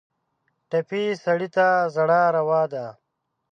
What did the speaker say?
ټپي سړی ته ژړا روا ده.